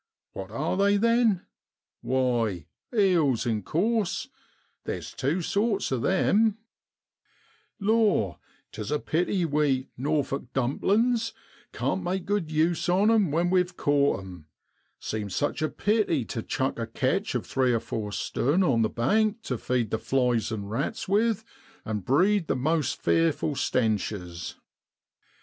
What are they, then ? Why, eels, in course. Theer's tew sorts o' them. 66 AUGUST JA BROADLAND. ' Law, 'tis a pity we < Norfolk dumplins ' can't make good use on 'em when we've caught 'em. Seems such a pity to chuck a catch of three or four stun on the bank tu feed the flies an' rats with an' breed most fearful stenches.